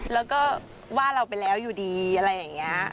แล้วก็ว่าเราไปแล้วอยู่ดีอะไรอย่างนี้